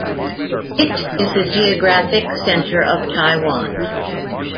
It is the geographic center of Taiwan.